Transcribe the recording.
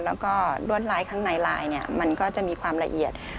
แล้วก็รวดลายข้างในลายมันก็จะมีความละเอียด